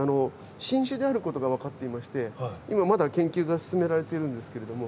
新種であることが分かっていまして今まだ研究が進められているんですけれども。